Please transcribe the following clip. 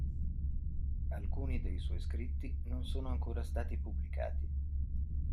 Alcuni dei suoi scritti non sono ancora stati pubblicati.